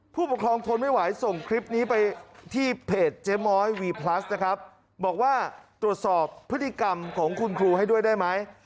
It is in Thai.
ผู้ปกครองทนไม่ไหวส่งคลิปนี้ไปที่เพจเจ๊ม้อยวีพลัสนะครับบอกว่าตรวจสอบพฤติกรรมของคุณครูให้ด้วยได้ไหม